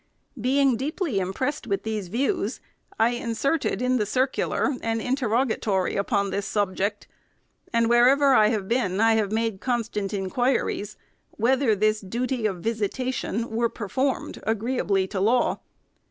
Being deeply impressed with these views, I inserted in the circular an interrogatory upon this subject; and wher ever I have been, I have made constant inquiries whether this duty of visitation were performed, agreeably to law.